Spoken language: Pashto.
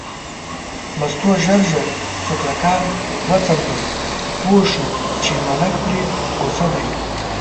مستو ژر ژر سوکړکان وڅنډل، پوه شوه چې ملک پرې غوسه دی.